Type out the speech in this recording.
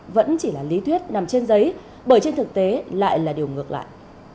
vẫn chỉ là lý thuyết nằm trên giấy bởi trên thực tế lại là điều ngược lại